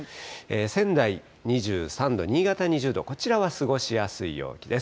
仙台２３度、新潟２０度、こちらは過ごしやすい陽気です。